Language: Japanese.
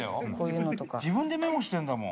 自分でメモしてるんだもん。